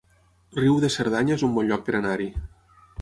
Riu de Cerdanya es un bon lloc per anar-hi